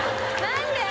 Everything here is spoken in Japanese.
何で？